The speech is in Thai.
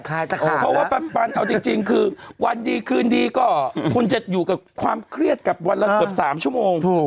เพราะว่าปันเอาจริงคือวันดีคืนดีก็คุณจะอยู่กับความเครียดกับวันละเกือบ๓ชั่วโมง